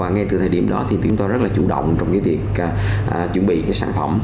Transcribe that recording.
ngay từ thời điểm đó chúng tôi rất chủ động trong việc chuẩn bị sản phẩm